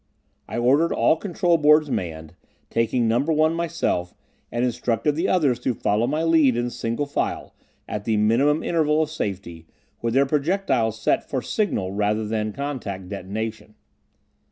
I ordered all control boards manned, taking Number One myself, and instructed the others to follow my lead in single file, at the minimum interval of safety, with their projectiles set for signal rather than contact detonation.